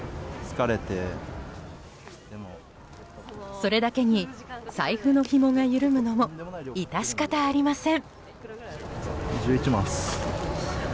それだけに財布のひもが緩むのも致し方ありません。